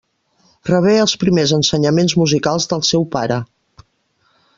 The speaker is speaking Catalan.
Rebé els primers ensenyaments musicals del seu pare.